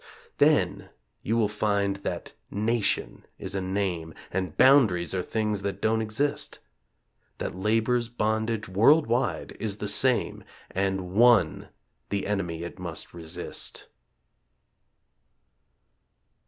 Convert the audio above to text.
Then you will find that "nation" is a name And boundaries are things that don't exist; That Labor's bondage, worldwide, is the same, And ONE the enemy it must resist.